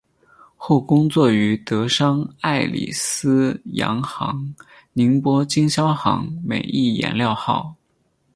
后工作于德商爱礼司洋行宁波经销行美益颜料号。